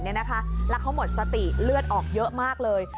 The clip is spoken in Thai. แล้วเขาหมดสติเลือดออกเยอะมากเลย